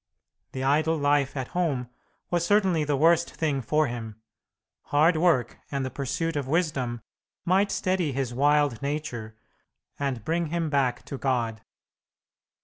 The idle life at home was certainly the worst thing for him. Hard work and the pursuit of wisdom might steady his wild nature and bring him back to God.